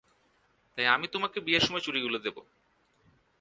তাই আমি তোমাকে বিয়ের সময় চুড়ি গুলো দেবো।